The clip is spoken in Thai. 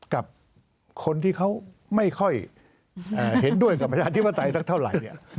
กับคนที่เขาไม่ค่อยเห็นด้วยกับประชาธิปไตยสักเท่าไหร่